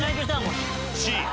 Ｃ。